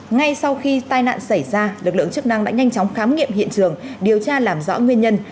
ngay sau khi tai nạn xảy ra lực lượng chức năng đã nhanh chóng khám nghiệm hiện trường điều tra làm rõ nguyên nhân